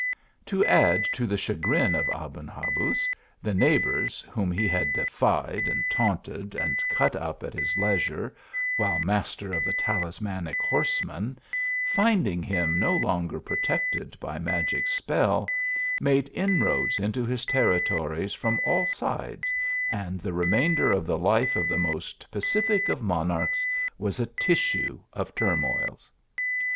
To add to the chagrin of Aben Habuz, the neigh bours, whom he had defied and taunted, and cut up at his leisure, while master of the talismanic horse man, finding him no longer protected by magic spell, made inroads into his territories from all sides, and the remainder of the life of the most pacific of mon archs, was a tissue of turmoils.